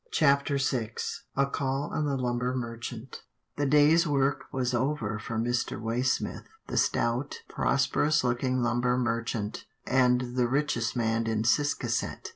CHAPTER VI A CALL ON THE LUMBER MERCHANT The day's work was over for Mr. Waysmith — the stout, prosperous looking lumber merchant, and the richest man in Ciscasset.